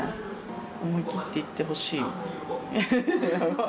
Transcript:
思いきっていってほしい。